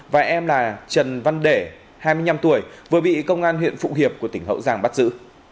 và em là trần văn để hai mươi năm tuổi vừa bị công an huyện phụng hiệp của tỉnh hậu giang bắt giữ